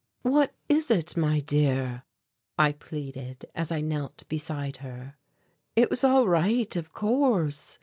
"What is it, my dear?" I pleaded, as I knelt beside her. "It was all right, of course.